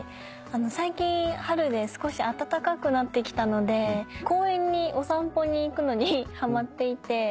最近春で少し暖かくなってきたので公園にお散歩に行くのにはまっていて。